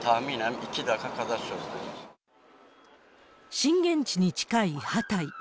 震源地に近いハタイ。